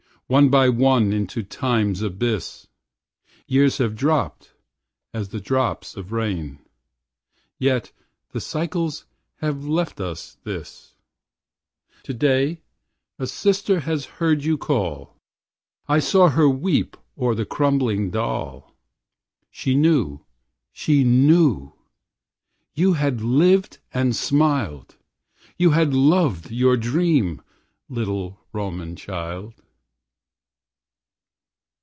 One by one into time's abyss Years have dropped as the drops of rain. Yet the cycles have left us this! O red lipped mother, O mother sweet, Today a sister has heard you call, I saw her weep o'er the crumbling doll. She knew, she knew! You had lived and smiled! You had loved your dream, little Roman child!